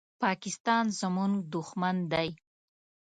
پاکستان زمونږ دوښمن دی